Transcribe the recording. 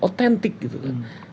otentik gitu kan